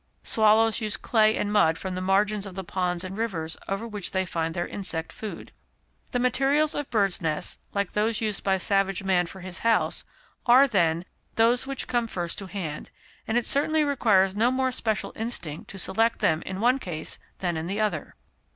Swallows use clay and mud from the margins of the ponds and rivers over which they find their insect food. The materials of birds' nests, like those used by savage man for his house, are, then, those which come first to hand; and it certainly requires no more special instinct to select them in one case than in the other.